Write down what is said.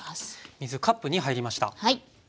水カップ２入りました。